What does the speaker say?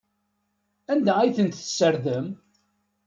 Anda ay ten-tessardem?